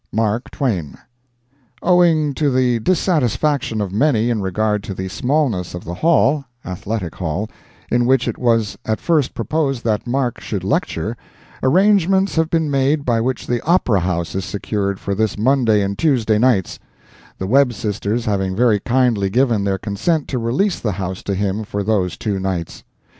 Mark Twain." Owing to the dissatisfaction of many in regard to the smallness of the hall [Athletic Hall], in which it was at first proposed that Mark should lecture, arrangements have been made by which the Opera House is secured for this Monday and Tuesday nights: the Webb sisters having very kindly given their consent to release the house to him for those two nights.